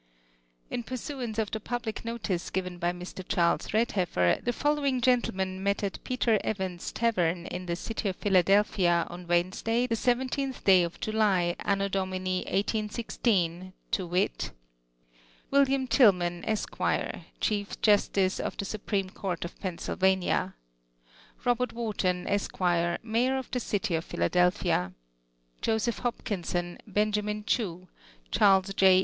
In pursuance of the pr:blic noiice given by Mr. Charles Redlefl'er, tlie following gentlemen met at Peter *Evans' tavern in the city of Philadelphia on Wednesday, tiie 17th day of July, A. D. 1816 to wit :— AViUi.uTi Ti.gtiman, Esq, chief justice of the supreme court of Pennsylvania ; Robert Wliartou, Esq. Mayor of the city of Pliiladelphia; Joseph Ilopkinson, Benjamin Chew, Ch.xrles J.